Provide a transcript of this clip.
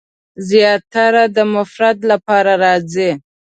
زیاتره د مفرد لپاره راځي.